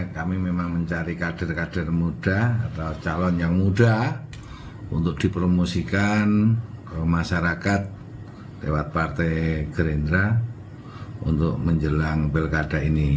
kami memang mencari kader kader muda atau calon yang muda untuk dipromosikan ke masyarakat lewat partai gerindra untuk menjelang pilkada ini